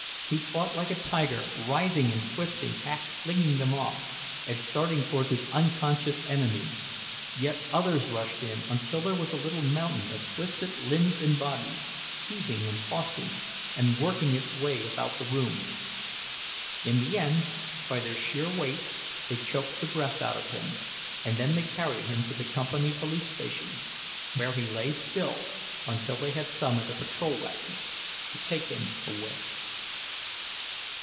He fought like a tiger, writhing and twisting, half flinging them off, and starting toward his unconscious enemy. But yet others rushed in, until there was a little mountain of twisted limbs and bodies, heaving and tossing, and working its way about the room. In the end, by their sheer weight, they choked the breath out of him, and then they carried him to the company police station, where he lay still until they had summoned a patrol wagon to take him away.